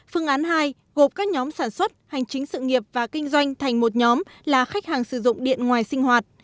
phương án hai gộp các nhóm sản xuất hành chính sự nghiệp và kinh doanh thành một nhóm là khách hàng sử dụng điện ngoài sinh hoạt